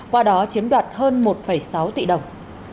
qua đó chiếm đoạt hơn một sáu tỷ đồng